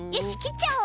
ちゃおう。